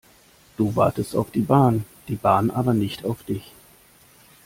Du wartest auf die Bahn, die Bahn aber nicht auf dich.